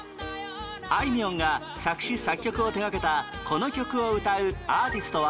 あいみょんが作詞・作曲を手がけたこの曲を歌うアーティストは？